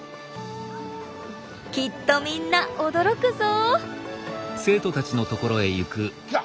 きっとみんな驚くぞ！